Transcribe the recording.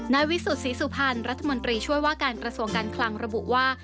วิสุทธิสุพรรณรัฐมนตรีช่วยว่าการกระทรวงการคลังระบุว่า